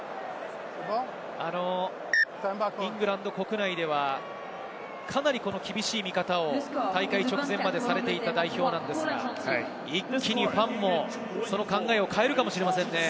イングランド国内ではかなり厳しい見方を大会直前までされていた代表ですが、一気にファンもその考えを変えるかもしれませんね。